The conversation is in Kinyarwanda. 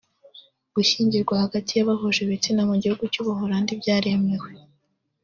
Gushyingiranwa hagati y’abahuje ibitsina mu gihugu cy’u Buholandi byaremewe